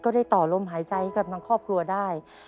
ได้ต่อลมหายใจกับทั้งครอบครัวได้